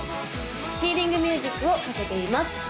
ヒーリングミュージックをかけています